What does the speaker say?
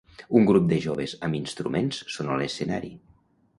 Un grup de joves amb instruments són a l'escenari.